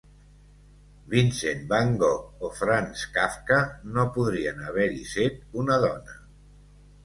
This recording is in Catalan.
Vincent van Gogh o Franz Kafka no podrien haver-hi set una dona.